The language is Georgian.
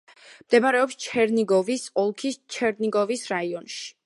მდებარეობს ჩერნიგოვის ოლქის ჩერნიგოვის რაიონში.